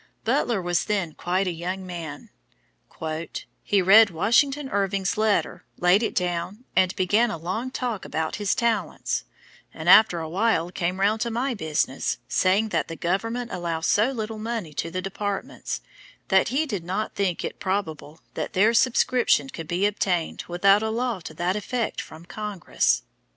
Butler was then quite a young man: "He read Washington Irving's letter, laid it down, and began a long talk about his talents, and after a while came round to my business, saying that the Government allows so little money to the departments, that he did not think it probable that their subscription could be obtained without a law to that effect from Congress."